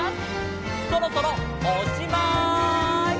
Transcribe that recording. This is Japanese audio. そろそろおっしまい！